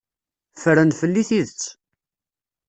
Ffren fell-i tidet.